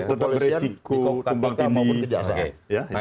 di polisian di kpk maupun kejaksaan